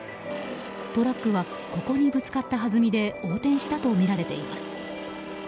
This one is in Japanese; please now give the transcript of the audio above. トラックはここにぶつかったはずみで横転したとみられています。